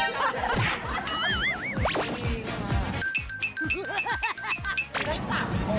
นั้นสัก